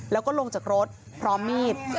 แล้วก็ลงจากรถพร้อมมีด